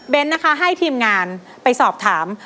นะคะให้ทีมงานไปสอบถาม